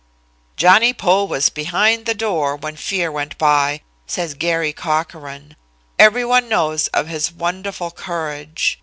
"Johnny Poe was behind the door when fear went by," says Garry Cochran. "Every one knows of his wonderful courage.